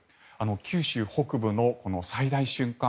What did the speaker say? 九州北部の最大瞬間